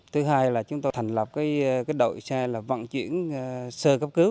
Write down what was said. thứ hai là chúng tôi thành lập đội xe là vận chuyển sơ cấp cứu